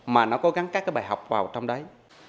mà nó có gắn các bài học vào trong đấy